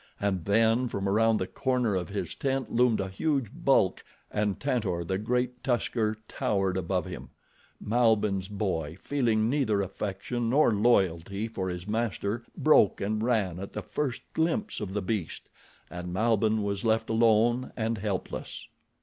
And then from around the corner of his tent loomed a huge bulk, and Tantor, the great tusker, towered above him. Malbihn's boy, feeling neither affection nor loyalty for his master, broke and ran at the first glimpse of the beast, and Malbihn was left alone and helpless.